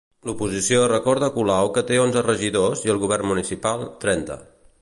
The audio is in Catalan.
L'oposició recorda a Colau que té onze regidors i el govern municipal, trenta.